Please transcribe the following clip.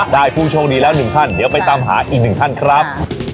ผู้โชคดีแล้วหนึ่งท่านเดี๋ยวไปตามหาอีกหนึ่งท่านครับ